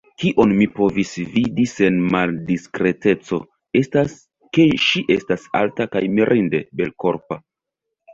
Kion mi povis vidi sen maldiskreteco, estas, ke ŝi estas alta kaj mirinde belkorpa.